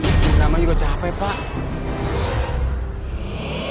nama juga capek pak